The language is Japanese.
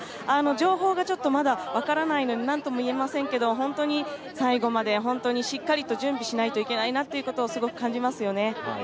情報がまだ分からないので何とも言えませんけれども、本当に最後までしっかりと準備しないといけないなというのが感じますね。